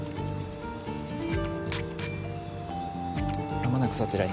間もなくそちらに。